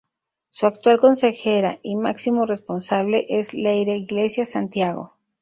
Su actual consejera y máximo responsable es Leire Iglesias Santiago.